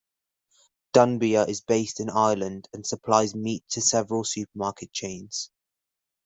Dunbia is based in Ireland and supplies meat to several supermarket chains.